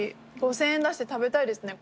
５，０００円出して食べたいですね